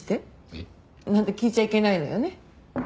えっ？なんて聞いちゃいけないのよね。